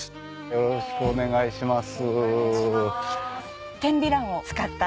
よろしくお願いします。